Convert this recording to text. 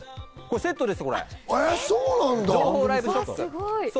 セットです。